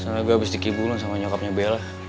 soalnya gue abis dikibulan sama nyokapnya bella